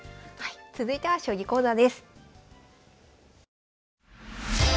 続いては将棋講座です。